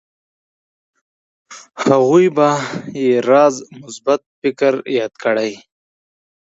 هغوی به يې راز مثبت فکر ياد کړي.